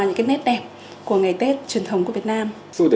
những cái nét đẹp của ngày tết truyền thống của việt nam